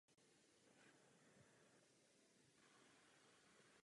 Vydatnost pramene se odhaduje na šest litrů za minutu.